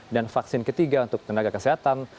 dan vaksin ketiga untuk tenaga kesehatan